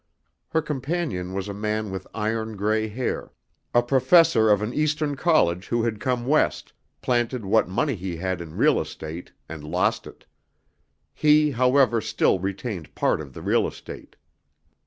Her companion was a man with iron gray hair, a professor of an Eastern college who had come West, planted what money he had in real estate and lost it. He, however, still retained part of the real estate.